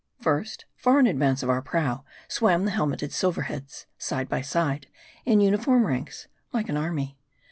First, far in advance of our prow, swam the helmeted Silver heads ; side' by side, in uniform ranks, like an army.